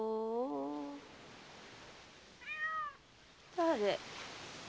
誰？